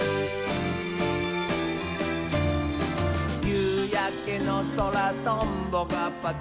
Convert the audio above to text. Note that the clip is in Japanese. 「ゆうやけのそらトンボがパタパタ」